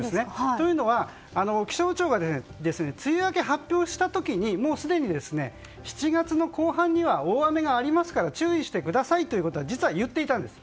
というのは、気象庁が梅雨明け発表した時にすでに７月の後半には大雨がありますから注意してくださいということは実は言っていたんです。